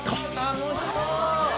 楽しそう！